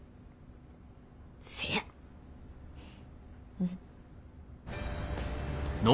うん。